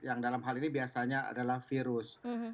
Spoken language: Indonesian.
yang dalam hal ini biasanya adalah virus